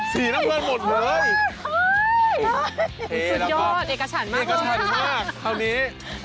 สีน้ำเกลือหมดเลย